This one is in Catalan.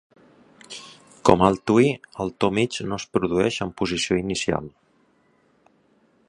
Com al twi, el to mig no es produeix en posició inicial.